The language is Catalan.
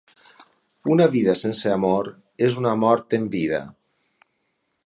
Una vida sense amor és una mort en vida.